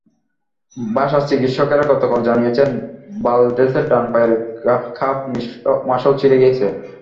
বার্সার চিকিৎসকেরা গতকাল জানিয়েছেন, ভালদেসের ডান পায়ের কাফ মাসল ছিঁড়ে গেছে।